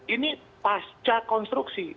ini pasca konstruksi